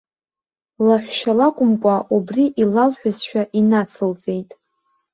Лаҳәшьа лакәымкәа, убри илалҳәозшәа, инацылҵеит.